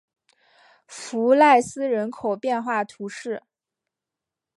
弗赖斯人口变化图示